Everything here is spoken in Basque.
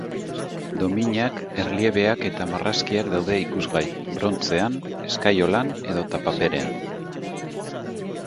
Dominak, erliebeak eta marrazkiak daude ikusgai, brontzean, eskaiolan edota paperean.